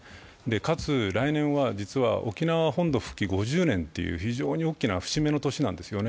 かつ来年は実は沖縄は本土復帰５０年という節目の年なんですね。